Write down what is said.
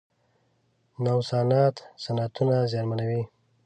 نوسانات صنعتونه زیانمنوي.